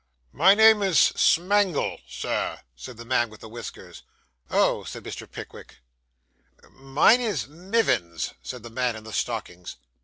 'My name is Smangle, sir,' said the man with the whiskers. 'Oh,' said Mr. Pickwick. 'Mine is Mivins,' said the man in the stockings.